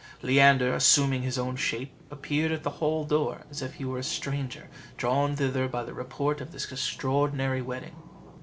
Leander, assuming his own shape, appeared at the hall door, as if he were a stranger drawn thither by the report of this extraordinary wedding.